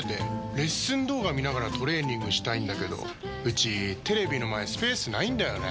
レッスン動画見ながらトレーニングしたいんだけどうちテレビの前スペースないんだよねー。